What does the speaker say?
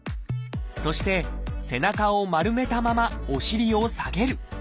そして背中を丸めたままお尻を下げる。